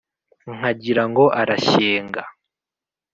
nkagira ngo arashyenga